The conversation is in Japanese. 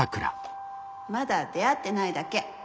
まだ出会ってないだけ。